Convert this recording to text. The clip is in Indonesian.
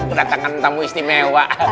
udah kangen tamu istimewa